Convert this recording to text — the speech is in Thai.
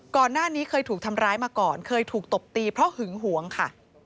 ก่อนหน้านี้เคยถูกทำร้ายมาก่อนเคยถูกตบตีเพราะหึงหวงค่ะ